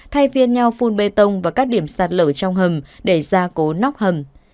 thay phiên nhau phun bê tông và các điểm sạt lửa trong hầm để gia cố nóc hầm